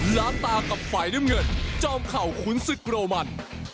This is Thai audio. ล้างตากับฝ่ายน้ำเงินจอมเข่าขุนศึกโรมัน